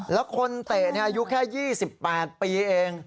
แล้วคนเตะอายุแค่๒๘ปีเอง